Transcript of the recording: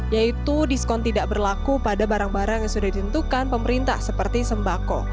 yaitu diskon tidak berlaku pada barang barang yang sudah ditentukan pemerintah seperti sembako